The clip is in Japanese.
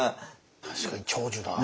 確かに長寿だ。